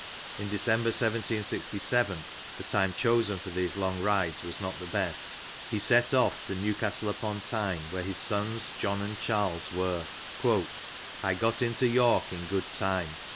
In Decem ber 1 767 (the time chosen for these long rides was not the best) he set off to Newcastle upon Tyne where his sons John and Charles were. '^ I got into York in good time.